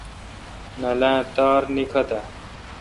نننالاں تار نیکتہ۔؟